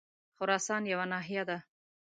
خراسان یوه ناحیه ده.